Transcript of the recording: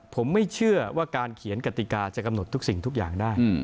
ผมไม่เชื่อว่าการเขียนกติกาจะกำหนดทุกสิ่งทุกอย่างได้